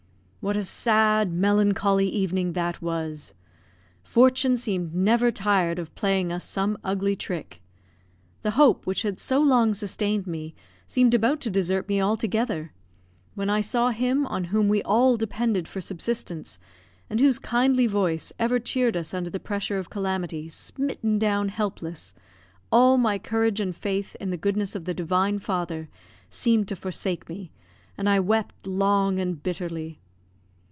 What a sad, melancholy evening that was! Fortune seemed never tired of playing us some ugly trick. The hope which had so long sustained me seemed about to desert me altogether; when I saw him on whom we all depended for subsistence, and whose kindly voice ever cheered us under the pressure of calamity, smitten down helpless, all my courage and faith in the goodness of the Divine Father seemed to forsake me, and I wept long and bitterly.